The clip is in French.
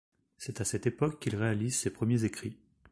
C'est à cette époque qu'il réalise ses premiers écrits.